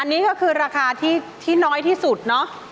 อันนี้ก็คือราคาที่น้อยที่สุดเนาะ